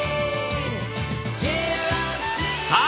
さあ